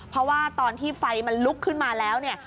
เพราะว่าตอนที่ไฟมันลุกขึ้นมาแล้วเนี่ย